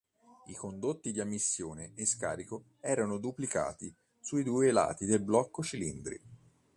I condotti di ammissione e scarico erano duplicati sui due lati del blocco cilindri.